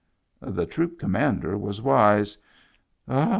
The troop commander was wise.